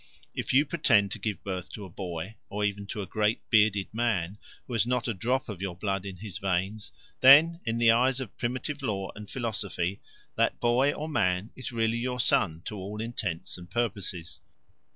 If you pretend to give birth to a boy, or even to a great bearded man who has not a drop of your blood in his veins, then, in the eyes of primitive law and philosophy, that boy or man is really your son to all intents and purposes.